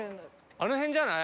あの辺じゃない？